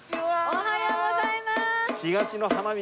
おはようございます！